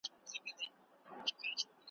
ږغ به خپور سو د ځنګله تر ټولو غاړو .